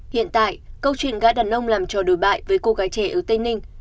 hiện tại câu chuyện gã đàn ông làm trò đổi bại với cô gái trẻ ở tây ninh